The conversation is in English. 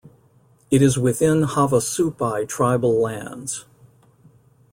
It is within Havasupai tribal lands.